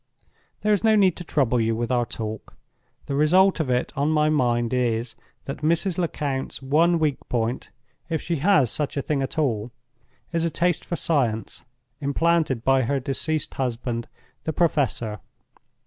There is no need to trouble you with our talk. The result of it on my mind is—that Mrs. Lecount's one weak point, if she has such a thing at all, is a taste for science, implanted by her deceased husband, the professor.